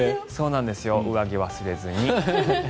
上着忘れずに。